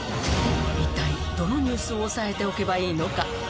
一体どのニュースを押さえておけばいいのか？